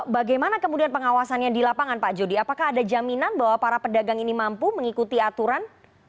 bagaimana kemudian pengawasannya di lapangan pak jody apakah ada jaminan bahwa para pedagang ini mampu mengikuti aturan